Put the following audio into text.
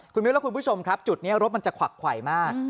คุณมิวและคุณผู้ชมครับจุดนี้รถมันจะขวักไขวมาก